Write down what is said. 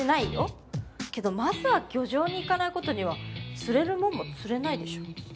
けどまずは漁場に行かない事には釣れるもんも釣れないでしょ。